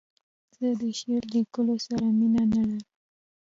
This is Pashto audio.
زه د شعر لیکلو سره مینه نه لرم.